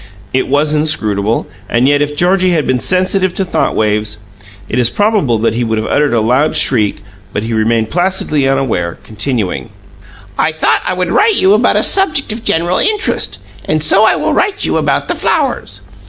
It was inscrutable, and yet if Georgie had been sensitive to thought waves, it is probable that he would have uttered a loud shriek; but he remained placidly unaware, continuing: "'I thought I would write you about a subject of general interest, and so I will write you about the flowers.